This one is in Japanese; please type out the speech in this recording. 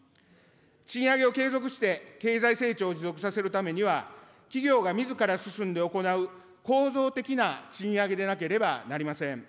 賃上げを継続して経済成長を持続させるためには、企業がみずから進んで行う構造的な賃上げでなければなりません。